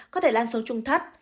có thể lan xuống trung thắt